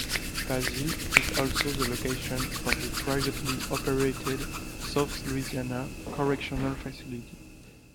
Basile is also the location of the privately operated South Louisiana Correctional Facility.